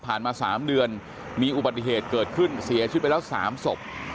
ผ่านมาสามเดือนมีอุบัติเหตุเกิดขึ้นเสียชิดไปแล้วสามศพ